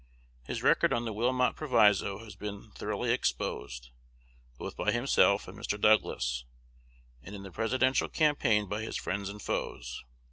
His record on the Wilmot Proviso has been thoroughly exposed, both by himself and Mr. Douglas, and in the Presidential campaign by his friends and foes.